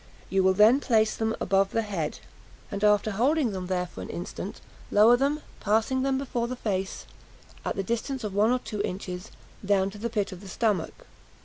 You will then place them above the head; and after holding them there for an instant, lower them, passing them before the face, at the distance of one or two inches, down to the pit of the stomach.